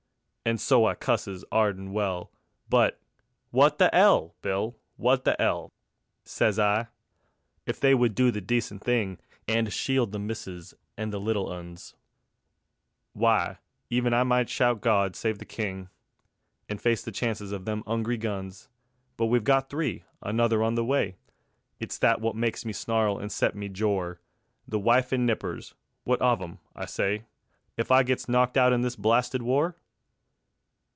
And so I cusses 'ard and well, But ... wot the 'ell, Bill? Wot the 'ell? Sez I: If they would do the decent thing, And shield the missis and the little 'uns, Why, even I might shout "God save the King", And face the chances of them 'ungry guns. But we've got three, another on the way; It's that wot makes me snarl and set me jor: The wife and nippers, wot of 'em, I say, If I gets knocked out in this blasted war?